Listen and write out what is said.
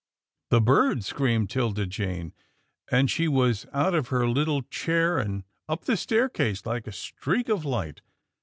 "" The bird," screamed 'Tilda Jane, and she was out of her little chair, and up the staircase like a streak of light.